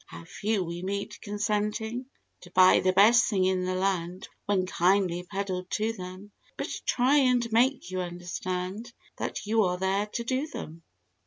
How few we meet consenting To buy the best thing in the land when kindly peddled to them, But try and make you understand, that you are there to 'do' them."